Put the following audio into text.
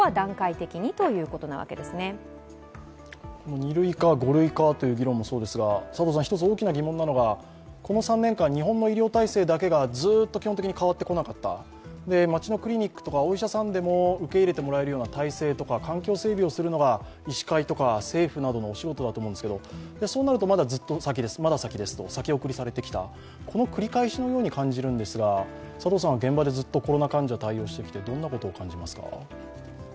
２類か５類かという議論もそうですが、１つ大きな疑問なのがこの３年間、日本の医療体制だけがずっと基本的に変わってこなかった、街のクリニックとかお医者さんでも受け入れてもらえような体制とか環境整備をするのが医師会とか政府などのお仕事だと思うんですけど、そうなるとずっとまだ先です、先ですと先送りされてきた、この繰り返しのように感じるんですが、現場でずっとコロナ患者対応してきてどんなことを感じますか？